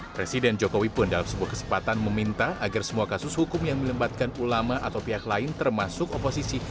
presiden jokowi pun dalam sebuah kesempatan meminta agar semua kasus hukum yang melembatkan ulama atau pihak lain termasuk oposisi